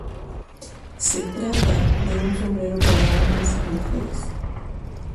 Se trata de un sombrero para hombres y mujeres.